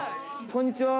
こんにちは。